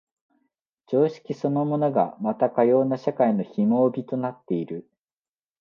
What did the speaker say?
常識そのものがまたかような社会の紐帯となっている。